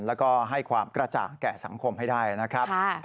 แล้วก็ให้ความกระจ่างแก่สังคมให้ได้นะครับ